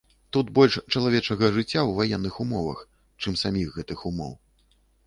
Тут больш чалавечага жыцця ў ваенных умовах, чым саміх гэтых умоў.